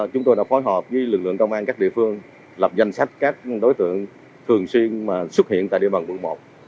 chúng tôi đã phối hợp với lực lượng công an các địa phương lập danh sách các đối tượng thường xuyên xuất hiện tại địa bàn quận một